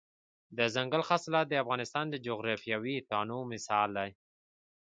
دځنګل حاصلات د افغانستان د جغرافیوي تنوع مثال دی.